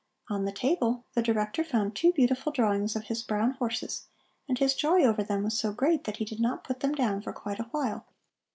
On the table the Director found two beautiful drawings of his brown horses, and his joy over them was so great that he did not put them down for quite a while.